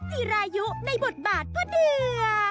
จีรายุในบทบาทก็เดือ